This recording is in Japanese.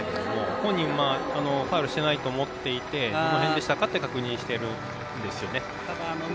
本人はファウルしてないと思っていてそれで確認しているんですね。